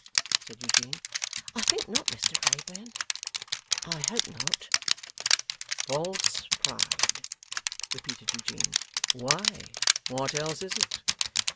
said Eugene. 'I think not, Mr Wrayburn. I hope not.' 'False pride!' repeated Eugene. 'Why, what else is it?